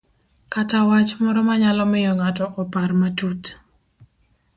kata wach moro manyalo miyo ng'ato opar matut